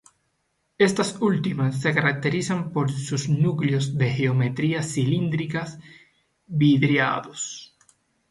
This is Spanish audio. Estas últimas se caracterizan por sus núcleos de geometría cilíndrica, vidriados.